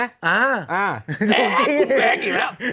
อ่าเอ๊ะคุณเฟ้งอยู่แล้ว